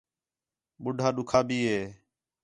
ٻُڈّھا ݙکّھا بھی ہے